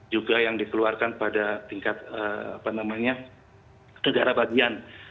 juga yang dikeluarkan pada tingkat negara bagian